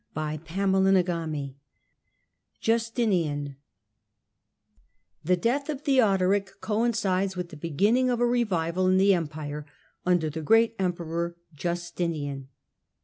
CHAPTER VI JUSTINIAN 518 28' "THE death of Theodoric coincides with the beginning of a revival in the Empire under the great Emperor Justinian.